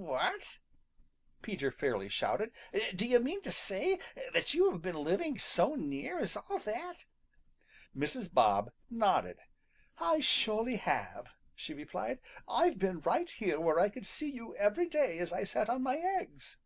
"What?" Peter fairly shouted. "Do you mean to say that you have been living so near as all that?" Mrs. Bob nodded. "I surely have," she replied. "I've been right where I could see you every day as I sat on my eggs."